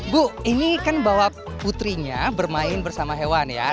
bu ini kan bawa putrinya bermain bersama hewan ya